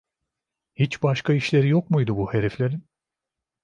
Hiç başka işleri yok muydu bu heriflerin?